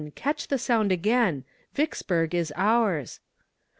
catch the sound again "Vicksburg is ours!"